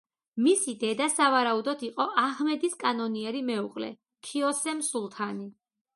მისი დედა სავარაუდოდ იყო აჰმედის კანონიერი მეუღლე ქიოსემ სულთანი.